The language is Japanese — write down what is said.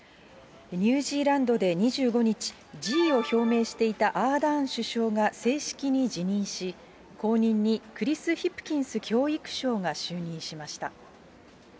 ニュージーランドで２５日、辞意を表明していたアーダーン首相が正式に辞任し、後任にクリス・ヒプキンス教育相が就任しました。